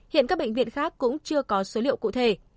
hiện các bệnh viện khác cũng chưa có số liệu cụ thể